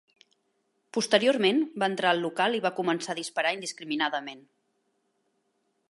Posteriorment va entrar al local i va començar a disparar indiscriminadament.